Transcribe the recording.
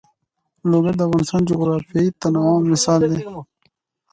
لوگر د افغانستان د جغرافیوي تنوع مثال دی.